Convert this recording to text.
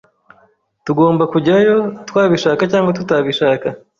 Tugomba kujyayo twabishaka cyangwa tutabishaka.